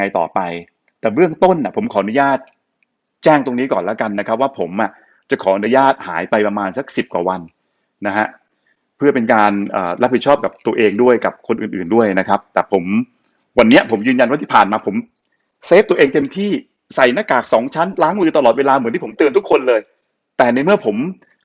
ต่อไปแต่เบื้องต้นอ่ะผมขออนุญาตแจ้งตรงนี้ก่อนแล้วกันนะครับว่าผมอ่ะจะขออนุญาตหายไปประมาณสักสิบกว่าวันนะฮะเพื่อเป็นการรับผิดชอบกับตัวเองด้วยกับคนอื่นอื่นด้วยนะครับแต่ผมวันนี้ผมยืนยันว่าที่ผ่านมาผมเซฟตัวเองเต็มที่ใส่หน้ากากสองชั้นล้างมือตลอดเวลาเหมือนที่ผมเตือนทุกคนเลยแต่ในเมื่อผม